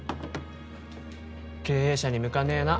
経営者に向かねえな。